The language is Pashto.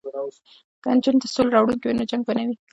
که نجونې د سولې راوړونکې وي نو جنګ به نه وي.